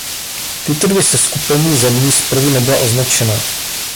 Tato dvě seskupení zemí zprvu nebyla označena.